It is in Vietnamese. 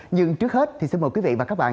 nhưng trước hết thì xin mời quý vị và các bạn